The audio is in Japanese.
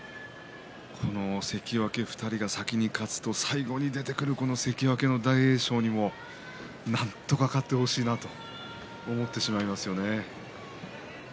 関脇２人が先に勝つと最後に出てくる関脇大栄翔にもなんとか勝ってほしいなと思ってしまいます。